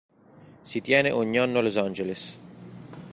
Si tiene ogni anno a Los Angeles.